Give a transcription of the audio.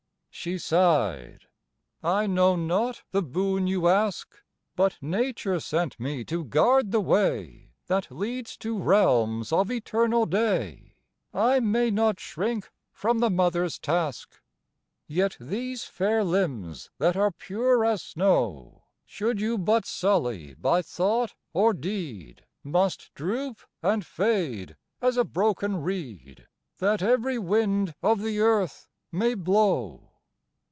She sighed, "I know not the boon you ask, But Nature sent me to guard the way That leads to realms of Eternal day; I may not shrink from the Mother's task. "Yet these fair limbs that are pure as snow, Should you but sully by thought or deed Must droop and fade as a broken reed, That every wind of the earth may blow."